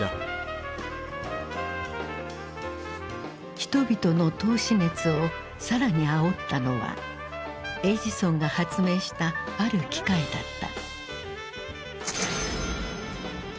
人々の投資熱を更にあおったのはエジソンが発明したある機械だった。